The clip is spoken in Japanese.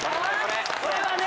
これはね。